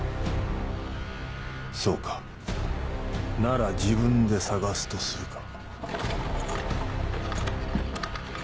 そうかなら自分で捜すとするか。